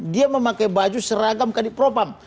dia memakai baju seragam kadik propam